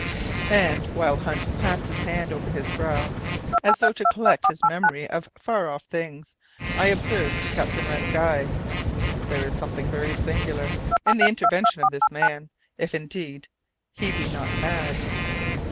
And, while Hunt passed his hand over his brow, as though to collect his memory of far off things, I observed to Captain Len Guy, "There is something very singular in the intervention of this man, if indeed he be not mad."